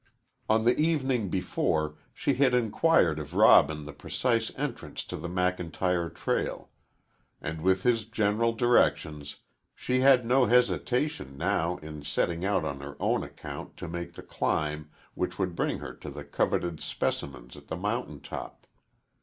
On the evening before, she had inquired of Robin the precise entrance to the McIntyre trail, and with his general directions she had no hesitation now in setting out on her own account to make the climb which would bring her to the coveted specimens at the mountain top.